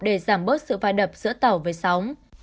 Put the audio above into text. để giảm bớt sự va đập giữa tàu với sóng